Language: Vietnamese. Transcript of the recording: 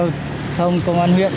cảnh sát giao thông công an huyện